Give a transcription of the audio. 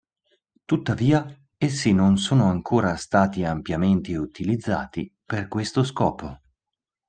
Tuttavia, essi non sono ancora stati ampiamente utilizzati per questo scopo.